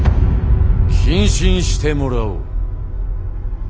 謹慎してもらおう。